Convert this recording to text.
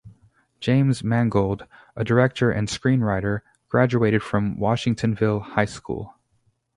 James Mangold, a director and screenwriter, graduated from Washingtonville High School.